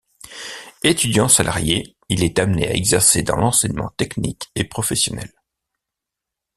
Étudiant salarié, il est amené à exercer dans l'enseignement technique et professionnel.